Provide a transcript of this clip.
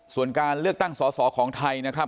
ส่วนการเลือกตั้งสอสอของไทยนะครับ